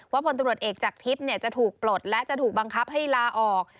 พลตำรวจเอกจากทิพย์จะถูกปลดและจะถูกบังคับให้ลาออก